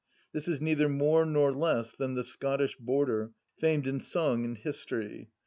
This is neither more nor less than the Scottish Border, famed in song and history.